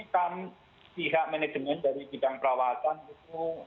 kan pihak manajemen dari bidang perawatan itu